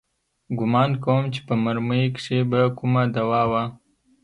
ګومان کوم چې په مرمۍ کښې به کومه دوا وه.